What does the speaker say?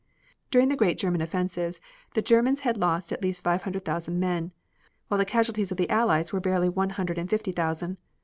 During the great German offensives the Germans had lost at least five hundred thousand men, while the casualties of the Allies were barely one hundred and fifty thousand.